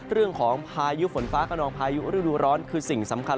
เรื่องของพายุฝนฟ้ากระนองพายุฤดูร้อนคือสิ่งสำคัญ